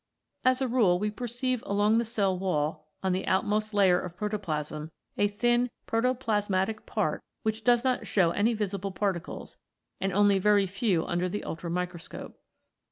As a rule we perceive along the cell wall on the outmost layer of protoplasm a thin protoplasmatic part which does not show any visible particles, and only very few under the ultramicroscope.